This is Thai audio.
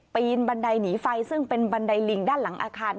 ปีนบันไดหนีไฟซึ่งเป็นบันไดลิงด้านหลังอาคาร